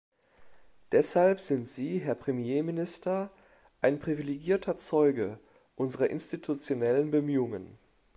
Deshalb sind Sie, Herr Premierminister, ein privilegierter Zeuge unserer institutionellen Bemühungen.